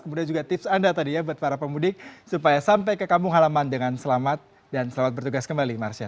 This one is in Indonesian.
kemudian juga tips anda tadi ya buat para pemudik supaya sampai ke kampung halaman dengan selamat dan selamat bertugas kembali marsha